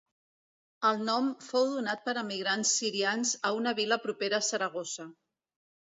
El nom fou donat per emigrants sirians a una vila propera a Saragossa.